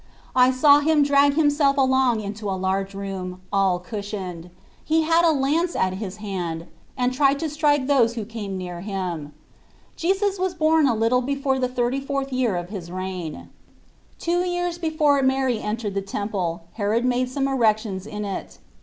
I saw him drag him self along into a large room all cushioned. He had a lance at hand and tried to strike those who came near him. Jesus was born a little before the thirty fourth year of his reign. Two years before Mary entered the Temple, Herod made some erections in it.